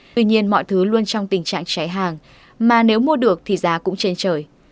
tuy nhiên mọi thứ luôn trong tình trạng cháy hàng mà nếu mua được thì giá cũng trên trời